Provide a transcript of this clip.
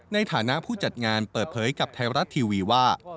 ในฐานะผู้จัดงานเปิดเผยกับไทยรัฐทีวีว่า